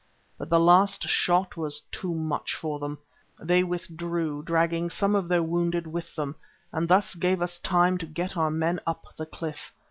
But the last shot was too much for them; they withdrew, dragging some of their wounded with them, and thus gave us time to get our men up the cliff.